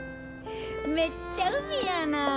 めっちゃ海やな！